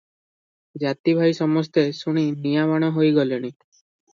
ଜାତିଭାଇ ସମସ୍ତେ ଶୁଣି ନିଆଁବାଣ ହୋଇ ଗଲେଣି ।